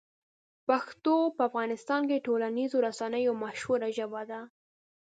پښتو په افغانستان کې د ټولنیزو رسنیو یوه مشهوره ژبه ده.